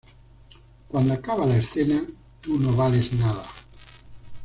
Cuando acaba la escena, tú no vales nada"".